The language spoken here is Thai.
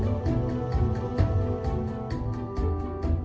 ไม่ใช่แตกไม่ได้แต่ต้องขอเทียบไว้ถ้าคนตก